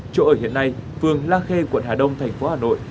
chỗ ở hiện nay phường la khê quận hà đông thành phố hà nội